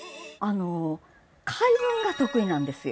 回文が得意なんですよ